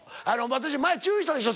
私前注意したでしょ？